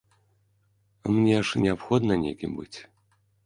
Мне ж неабходна некім быць!